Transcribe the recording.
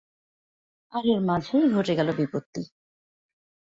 আর এর মাঝেই ঘটে গেল বিপত্তি।